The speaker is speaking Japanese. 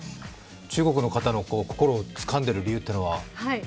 中国の方の心をつかんでる理由というのは？